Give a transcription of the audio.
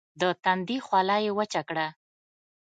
د تندي خوله يې وچه کړه.